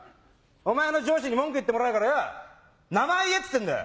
お前の上司に文句言ってもらう名前言えっつってんだよ。